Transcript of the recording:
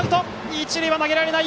一塁は投げられない。